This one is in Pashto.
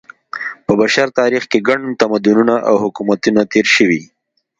په بشر تاریخ کې ګڼ تمدنونه او حکومتونه تېر شوي.